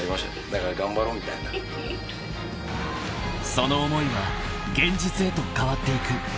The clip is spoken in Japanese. ［その思いは現実へと変わっていく］